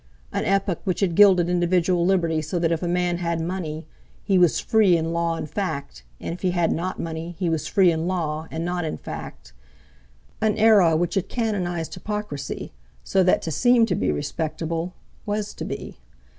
An epoch which had gilded individual liberty so that if a man had money, he was free in law and fact, and if he had not money he was free in law and not in fact. An era which had canonised hypocrisy, so that to seem to be respectable was to be.